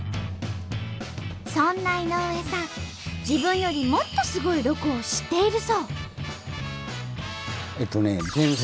自分よりもっとすごいロコを知っているそう。